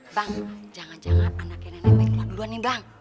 bang jangan jangan anaknya nenek nenek mending keluar duluan bang